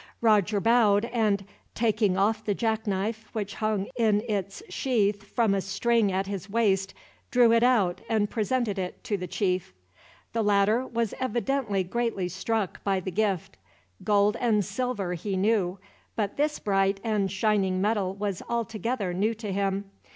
Roger bowed and, taking off the jackknife, which hung in its sheath from a string at his waist, drew it out and presented it to the chief. The latter was evidently greatly struck by the gift. Gold and silver he knew, but this bright and shining metal was altogether new to him.